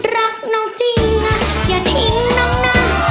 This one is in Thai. รักน้องจริงอ่ะอย่าได้อิ่งน้องน่ะ